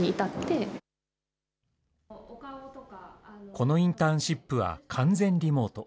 このインターンシップは、完全リモート。